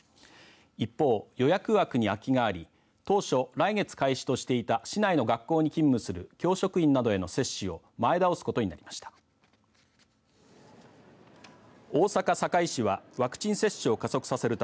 一方、予約枠に空きがあり当初、来月開始としていた市内の学校に勤務する教職員などへの接種を前倒すことになりました。